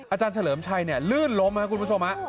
อาจารย์เฉลิมชัยลื่นล้มครับคุณผู้ชม